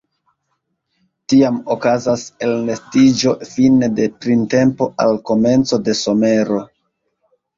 Tiam okazas elnestiĝo fine de printempo al komenco de somero.